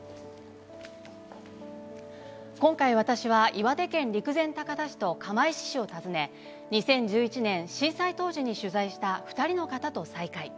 今回、私は岩手県陸前高田市と釜石市を訪ね、２０１１年、震災当時に取材した２人の方と再会。